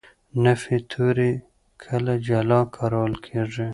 نفي توري کله جلا کارول کېږي.